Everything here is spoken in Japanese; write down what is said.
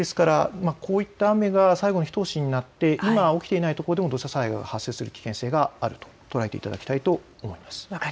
ですからこういった雨が最後のひと押しになって今起きていない所でも土砂災害の発生のおそれがあると捉えていただきたいと思います。